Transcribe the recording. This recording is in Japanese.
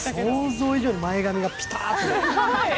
想像以上に前髪がピターッと。